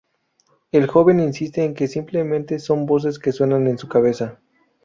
El joven insiste en que simplemente son voces que suenan en su cabeza.